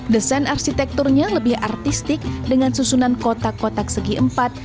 desain arsitekturnya lebih artistik dengan susunan kotak kotak segi empat